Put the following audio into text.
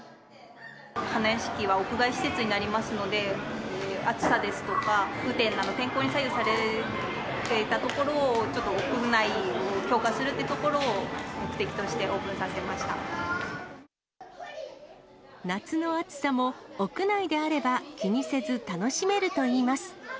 花やしきは、屋外施設になりますので、暑さですとか、雨天など、天候に左右されていたところを、ちょっと屋内を強化するっていうところを目的としてオープンさせ夏の暑さも、屋内であれば気にせず楽しめるといいます。